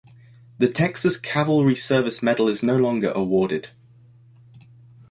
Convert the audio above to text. The Texas Cavalry Service Medal is no longer awarded.